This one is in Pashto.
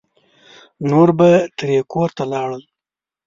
نور به ترې کور ته لاړل.